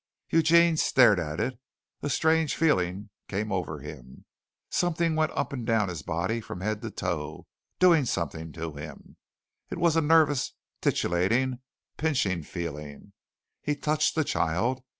Eugene stared at it. A strange feeling came over him. Something went up and down his body from head to toe, doing something to him. It was a nervous, titillating, pinching feeling. He touched the child.